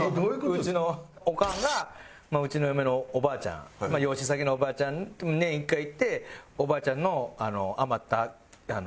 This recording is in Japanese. うちのオカンがうちの嫁のおばあちゃん養子先のおばあちゃん年１回行っておばあちゃんの余った。